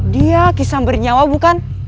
dia kisam bernyawa bukan